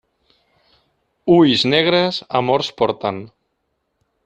Ulls negres amors porten.